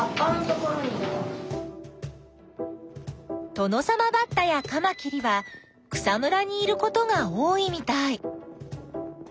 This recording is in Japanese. トノサマバッタやカマキリは草むらにいることが多いみたい。